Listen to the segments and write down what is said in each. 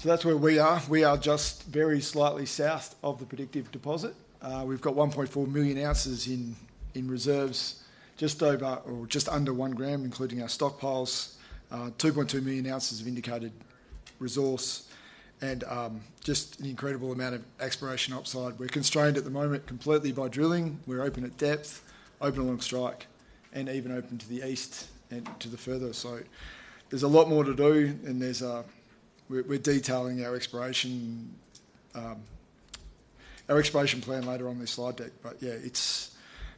Sorry. So that's where we are. We are just very slightly south of the Predictive deposit. We've got 1.4 million ounces in reserves, just over or just under one gram, including our stockpiles. 2.2 million ounces of indicated resource, and just an incredible amount of exploration upside. We're constrained at the moment completely by drilling. We're open at depth, open along strike, and even open to the east and to the further. So there's a lot more to do, and we're detailing our exploration plan later on this slide deck. But yeah, it's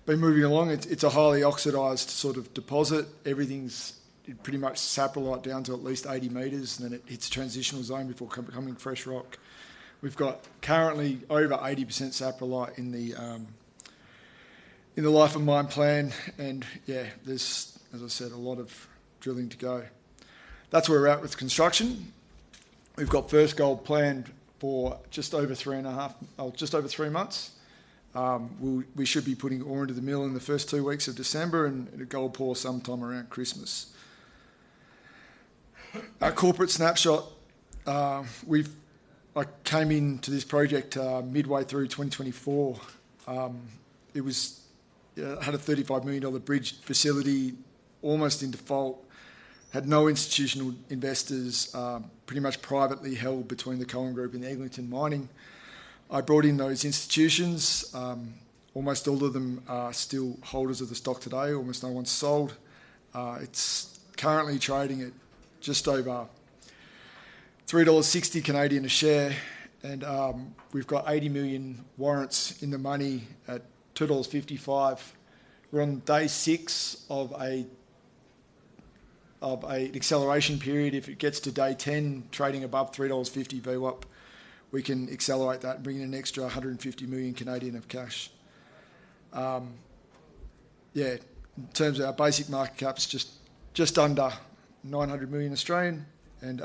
been moving along. It's a highly oxidized sort of deposit. Everything's pretty much saprolite down to at least 80 meters, and then it hits transitional zone before becoming fresh rock. We've got currently over 80% saprolite in the life of mine plan. And yeah, there's, as I said, a lot of drilling to go. That's where we're at with construction. We've got first gold planned for just over three and a half, just over three months. We should be putting ore into the mill in the first two weeks of December and a gold pour sometime around Christmas. Our corporate snapshot. We came into this project midway through 2024. It had a 35 million dollar bridge facility, almost in default, had no institutional investors, pretty much privately held between the Cohen Group and the Eglinton Mining. I brought in those institutions. Almost all of them are still holders of the stock today. Almost no one's sold. It's currently trading at just over 3.60 dollars a share, and we've got 80 million warrants in the money at 2.55 dollars. We're on day six of an acceleration period. If it gets to day 10, trading above $3.50 VWAP, we can accelerate that and bring in an extra 150 million of cash. Yeah, in terms of our basic market caps, just under 900 million. And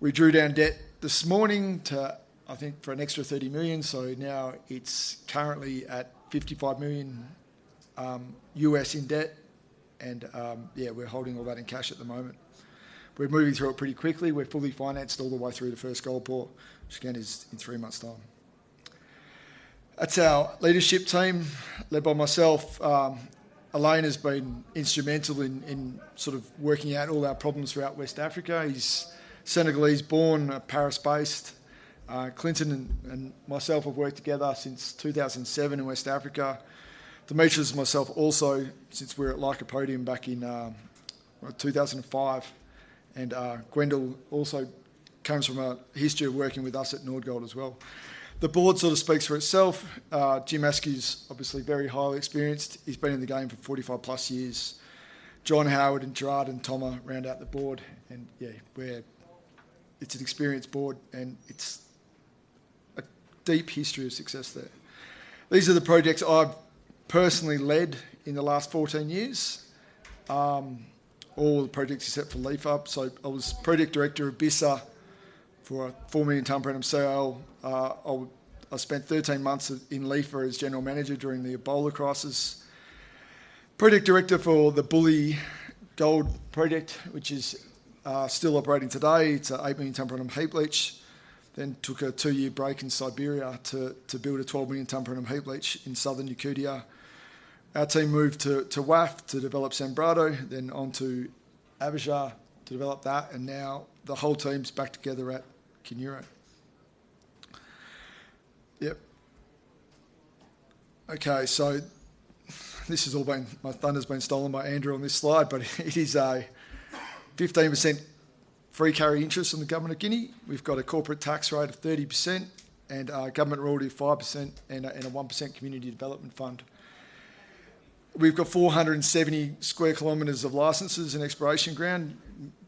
we drew down debt this morning to, I think, for an extra $30 million. So now it's currently at $55 million US in debt. And yeah, we're holding all that in cash at the moment. We're moving through it pretty quickly. We're fully financed all the way through the first gold pour, which again is in three months' time. That's our leadership team led by myself. Alain has been instrumental in sort of working out all our problems throughout West Africa. He's Senegalese born, Paris based. Clinton and myself have worked together since 2007 in West Africa. Demetrios and myself also, since we were at Lycopodium back in 2005. Gwenaël also comes from a history of working with us at Nordgold as well. The board sort of speaks for itself. Jim Askew is obviously very highly experienced. He has been in the game for 45 plus years. John Dorward and Gerard and Thomas round out the board. Yeah, it is an experienced board, and it has a deep history of success there. These are the projects I have personally led in the last 14 years, all the projects except for Lefa. I was project director of Bissa for a four million tonne per annum CIL. I spent 13 months in Lefa as general manager during the Ebola crisis. Project director for the Bouly Gold project, which is still operating today. It is an eight million tonne per annum heap leach. Then I took a two-year break in Siberia to build a 12 million tonne per annum heap leach in southern Yakutia. Our team moved to WAF to develop Sanbrado, then on to Abujar to develop that. And now the whole team's back together at Kiniero. Yep. Okay, so this has all been my thunder's been stolen by Andrew on this slide, but it is a 15% free carry interest on the government of Guinea. We've got a corporate tax rate of 30% and government royalty of 5% and a 1% community development fund. We've got 470 square kilometers of licenses and exploration ground,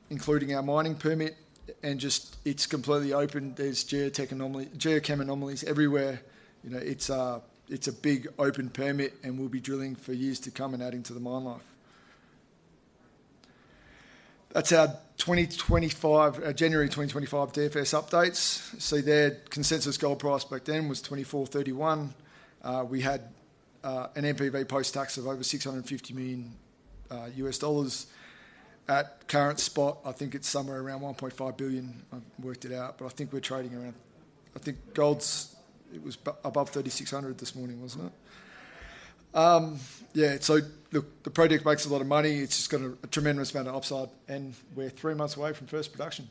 including our mining permit. And just it's completely open. There's geochem anomalies everywhere. It's a big open permit, and we'll be drilling for years to come and adding to the mine life. That's our January 2025 DFS updates. So their consensus gold price back then was $2,431. We had an NPV post-tax of over $650 million. At current spot, I think it's somewhere around $1.5 billion. I've worked it out, but I think we're trading around. I think gold's, it was above $3,600 this morning, wasn't it? Yeah, so look, the project makes a lot of money. It's just got a tremendous amount of upside, and we're three months away from first production.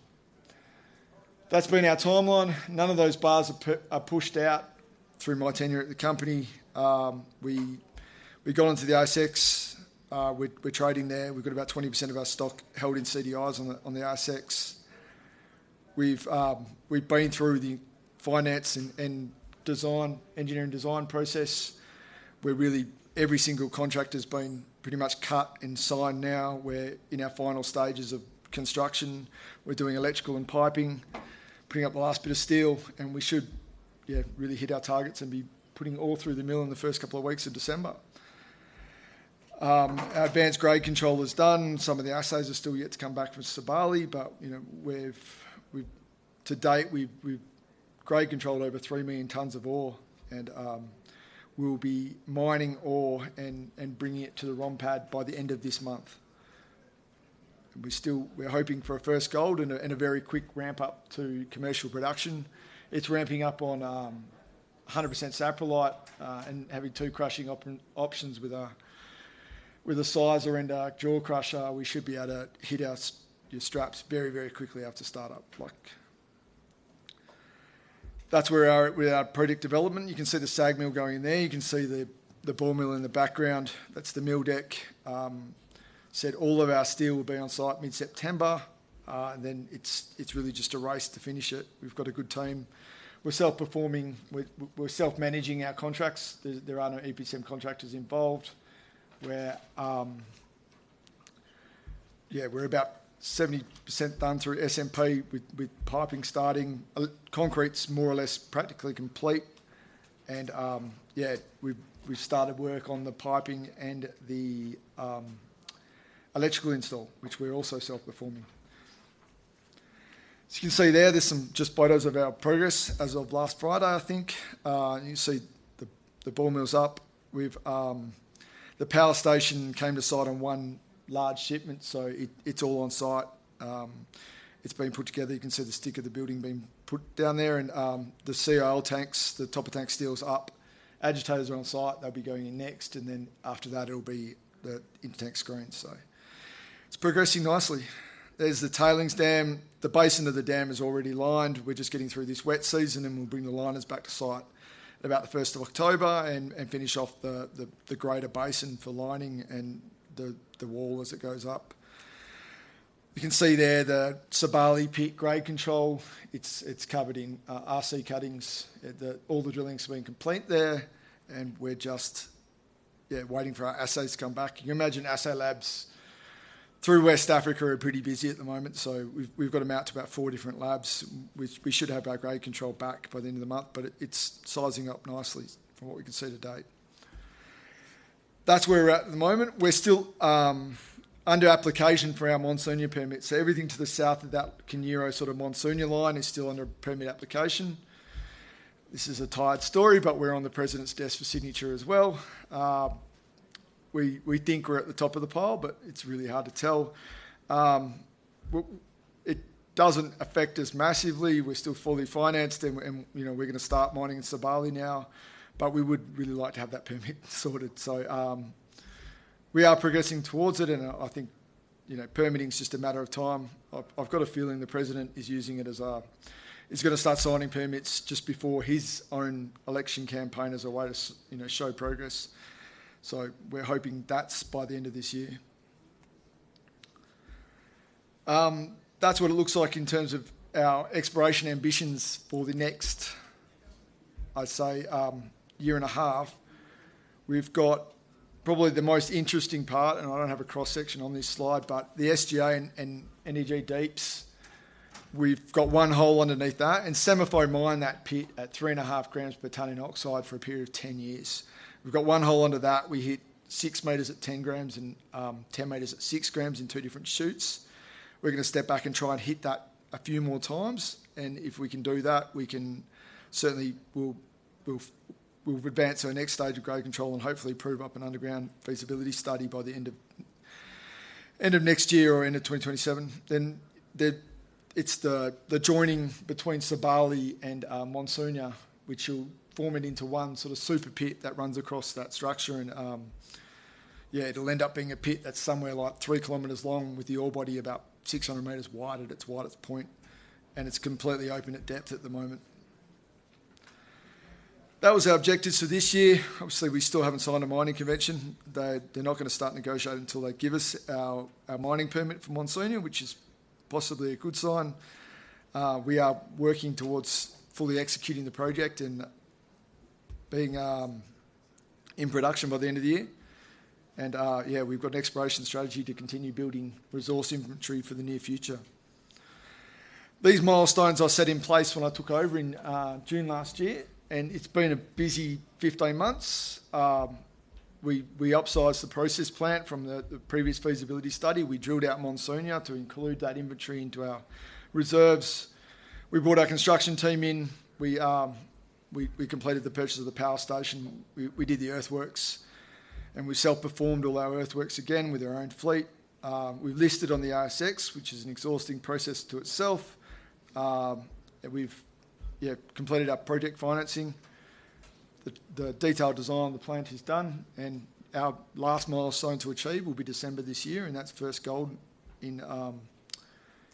That's been our timeline. None of those bars are pushed out through my tenure at the company. We got onto the ASX. We're trading there. We've got about 20% of our stock held in CDIs on the ASX. We've been through the finance and engineering design process. Every single contract has been pretty much cut and signed now. We're in our final stages of construction. We're doing electrical and piping, putting up the last bit of steel, and we should really hit our targets and be putting ore through the mill in the first couple of weeks of December. Our advanced grade control is done. Some of the assays are still yet to come back from Sabali, but to date, we've grade controlled over three million tonnes of ore, and we'll be mining ore and bringing it to the ROM pad by the end of this month. We're hoping for a first gold and a very quick ramp up to commercial production. It's ramping up on 100% saprolite and having two crushing options with a sizer and a jaw crusher. We should be able to hit our straps very, very quickly after startup. That's where our project development. You can see the SAG mill going in there. You can see the ball mill in the background. That's the mill deck. So all of our steel will be on site mid-September, and then it's really just a race to finish it. We've got a good team. We're self-performing. We're self-managing our contracts. There are no EPCM contractors involved. Yeah, we're about 70% done through SMP with piping starting. Concrete's more or less practically complete. And yeah, we've started work on the piping and the electrical install, which we're also self-performing. So you can see there, there's some just photos of our progress as of last Friday, I think. You can see the ball mill's up. The power station came to site on one large shipment, so it's all on site. It's been put together. You can see the steel of the building being put down there. And the CIL tanks, the top of tank steel's up. Agitators are on site. They'll be going in next. And then after that, it'll be the intertank screens. So it's progressing nicely. There's the tailings dam. The basin of the dam is already lined. We're just getting through this wet season, and we'll bring the liners back to site about the 1st of October and finish off the greater basin for lining and the wall as it goes up. You can see there the Sabali pit grade control. It's covered in RC cuttings. All the drilling's been complete there, and we're just waiting for our assays to come back. You can imagine assay labs through West Africa are pretty busy at the moment. So we've got them out to about four different labs. We should have our grade control back by the end of the month, but it's sizing up nicely from what we can see to date. That's where we're at at the moment. We're still under application for our Mansounia permits. Everything to the south of that Kiniero sort of Mansounia line is still under permit application. This is a tired story, but we're on the president's desk for signature as well. We think we're at the top of the pile, but it's really hard to tell. It doesn't affect us massively. We're still fully financed, and we're going to start mining in Sabali now, but we would really like to have that permit sorted. So we are progressing towards it, and I think permitting's just a matter of time. I've got a feeling the president is using it as a he's going to start signing permits just before his own election campaign as a way to show progress. So we're hoping that's by the end of this year. That's what it looks like in terms of our exploration ambitions for the next, I'd say, year and a half. We've got probably the most interesting part, and I don't have a cross-section on this slide, but the SGA and NEG deeps. We've got one hole underneath that, and SEMAFO mined that pit at three and a half grams per ton in oxide for a period of 10 years. We've got one hole under that. We hit six meters at 10 grams and 10 meters at six grams in two different chutes. We're going to step back and try and hit that a few more times. And if we can do that, we can certainly we'll advance our next stage of grade control and hopefully prove up an underground feasibility study by the end of next year or end of 2027. Then it's the joining between Sabali and Mansounia, which will form it into one sort of super pit that runs across that structure. Yeah, it'll end up being a pit that's somewhere like three kilometers long with the ore body about 600 meters wide at its widest point, and it's completely open at depth at the moment. That was our objectives for this year. Obviously, we still haven't signed a mining convention. They're not going to start negotiating until they give us our mining permit for Mansounia, which is possibly a good sign. We are working towards fully executing the project and being in production by the end of the year. Yeah, we've got an exploration strategy to continue building resource inventory for the near future. These milestones I set in place when I took over in June last year, and it's been a busy 15 months. We upsized the process plant from the previous feasibility study. We drilled out Mansounia to include that inventory into our reserves. We brought our construction team in. We completed the purchase of the power station. We did the earthworks, and we self-performed all our earthworks again with our own fleet. We've listed on the ASX, which is an exhausting process to itself. We've completed our project financing. The detailed design of the plant is done, and our last milestone to achieve will be December this year, and that's first gold in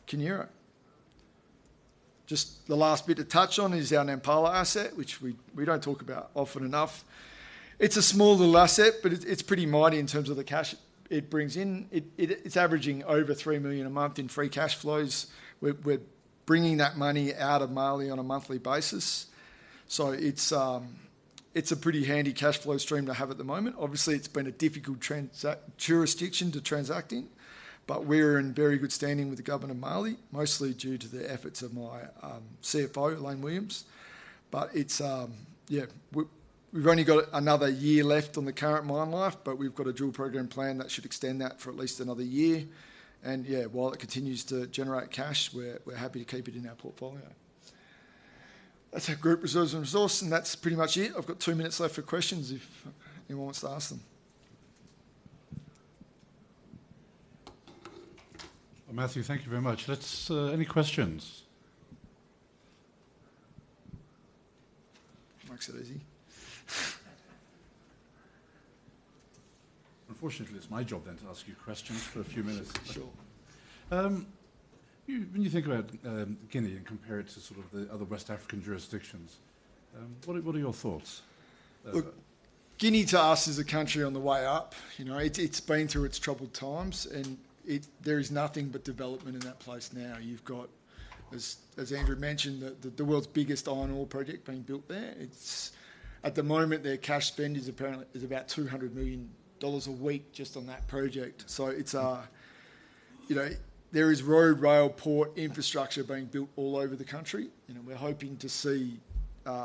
Kiniero. Just the last bit to touch on is our Nampala asset, which we don't talk about often enough. It's a small little asset, but it's pretty mighty in terms of the cash it brings in. It's averaging over three million a month in free cash flows. We're bringing that money out of Mali on a monthly basis. So it's a pretty handy cash flow stream to have at the moment. Obviously, it's been a difficult jurisdiction to transact in, but we're in very good standing with the government of Mali, mostly due to the efforts of my CFO, Alain William. But yeah, we've only got another year left on the current mine life, but we've got a dual program plan that should extend that for at least another year. And yeah, while it continues to generate cash, we're happy to keep it in our portfolio. That's our group reserves and resource, and that's pretty much it. I've got two minutes left for questions if anyone wants to ask them. Matthew, thank you very much. Any questions? Makes it easy. Unfortunately, it's my job then to ask you questions for a few minutes. Sure. When you think about Guinea and compare it to sort of the other West African jurisdictions, what are your thoughts? Guinea to us is a country on the way up. It's been through its troubled times, and there is nothing but development in that place now. You've got, as Andrew mentioned, the world's biggest iron ore project being built there. At the moment, their cash spend is about $200 million a week just on that project. So there is road, rail, port infrastructure being built all over the country. We're hoping to see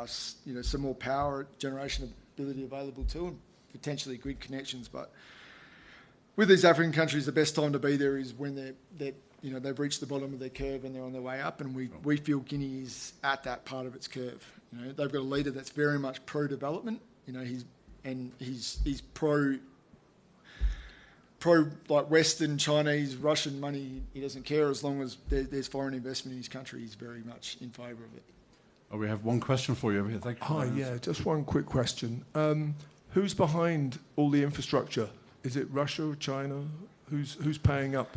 some more power generation ability available to them, potentially grid connections. But with these African countries, the best time to be there is when they've reached the bottom of their curve and they're on their way up, and we feel Guinea is at that part of its curve. They've got a leader that's very much pro-development, and he's pro-Western, Chinese, Russian money. He doesn't care as long as there's foreign investment in his country. He's very much in favor of it. We have one question for you over here. Thank you. Oh, yeah, just one quick question. Who's behind all the infrastructure? Is it Russia or China? Who's paying up?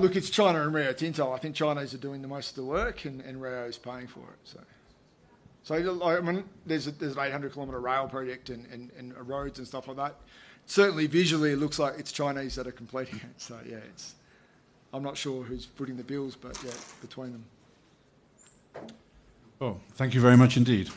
Look, it's China and Rio. I think Chinese are doing the most of the work, and Rio is paying for it. So there's an 800-kilometer rail project and roads and stuff like that. Certainly, visually, it looks like it's Chinese that are completing it. So yeah, I'm not sure who's putting the bills, but yeah, between them. Oh, thank you very much indeed.